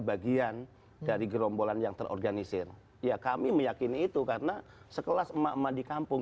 bagian dari gerombolan yang terorganisir ya kami meyakini itu karena sekelas emak emak di kampung